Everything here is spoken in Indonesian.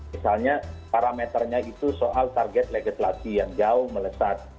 misalnya parameternya itu soal target legislasi yang jauh melesat